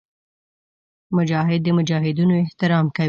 مجاهد د مجاهدینو احترام کوي.